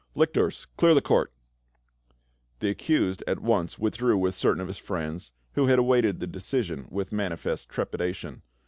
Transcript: — Lictors, clear the court !" The accused at once withdrew with certain of his friends, who had awaited the decision with manifest trepidation.